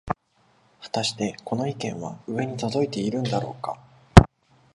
はたしてこの意見は上に届いているんだろうか